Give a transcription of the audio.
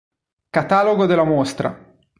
Catalogo della mostra".